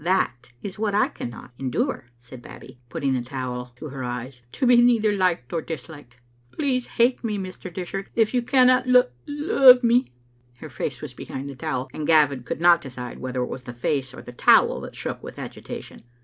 "That is what I cannot endure," said Babbie, putting the towel to her eyes, " to be neither liked nor disliked. Please hate me, Mr. Dishart, if you cannot lo — ove me." Her face was behind the towel, and Gavin could not decide whether it was the face or the towel that shook with agitation.